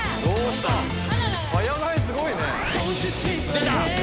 出た！